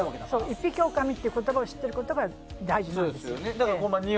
一匹狼って言葉を知っていることが大事なんですよ。